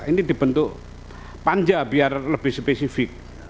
ini dibentuk panja biar lebih spesifik